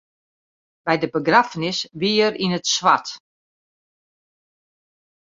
By de begraffenis wie er yn it swart.